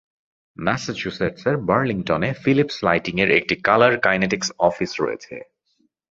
ম্যাসাচুসেটসের বার্লিংটনে ফিলিপস লাইটিংয়ের একটি কালার কিনিটিক্স অফিস রয়েছে।